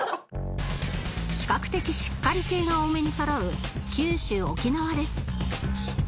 比較的しっかり系が多めにそろう九州沖縄です